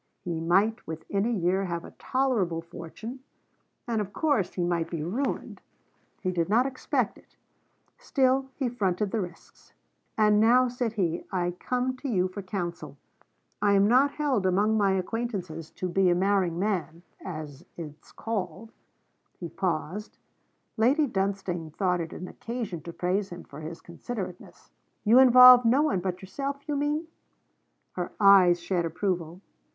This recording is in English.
He might within a year have a tolerable fortune: and, of course, he might be ruined. He did not expect it; still he fronted the risks. 'And now,' said he, 'I come to you for counsel. I am not held among my acquaintances to be a marrying man, as it's called.' He paused. Lady Dunstane thought it an occasion to praise him for his considerateness. 'You involve no one but yourself, you mean?' Her eyes shed approval.